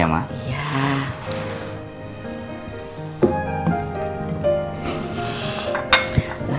terima kasih ya ma